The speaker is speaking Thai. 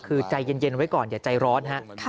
คือใจเย็นไว้ก่อนอย่าใจร้อนฮะ